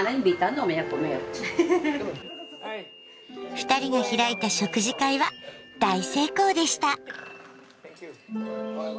二人が開いた食事会は大成功でした。